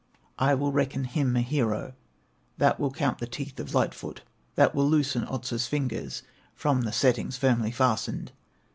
"I will reckon him a hero, That will count the teeth of Light foot, That will loosen Otso's fingers From their settings firmly fastened."